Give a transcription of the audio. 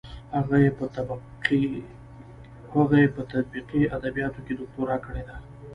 هغې په تطبیقي ادبیاتو کې دوکتورا کړې ده.